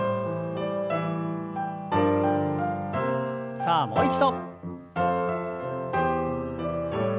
さあもう一度。